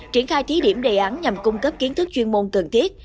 triển khai thí điểm đề án nhằm cung cấp kiến thức chuyên môn cần thiết